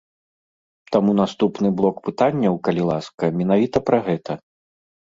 Таму наступны блок пытанняў, калі ласка, менавіта пра гэта.